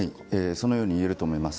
そのようにいえると思います。